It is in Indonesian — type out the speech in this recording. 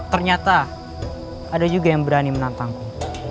ternyata ada juga yang berani menantangku